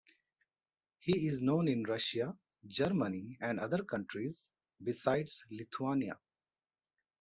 He is known in Russia, Germany, and other countries besides Lithuania.